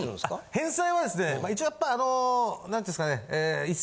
返済はですね一応やっぱりあの何ていうんすかね。